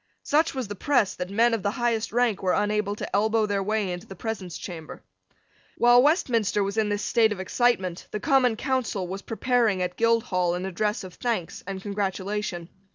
Such was the press, that men of the highest rank were unable to elbow their way into the presence chamber. While Westminster was in this state of excitement, the Common Council was preparing at Guildhall an address of thanks and congratulation.